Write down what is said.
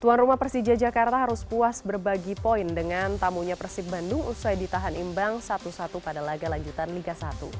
tuan rumah persija jakarta harus puas berbagi poin dengan tamunya persib bandung usai ditahan imbang satu satu pada laga lanjutan liga satu